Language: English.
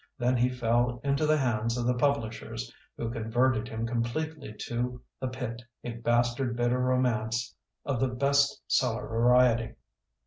Then he fell into the hands of the publishers who con verted him completely to The Pit', a bastard bit of romance of the best seller variety.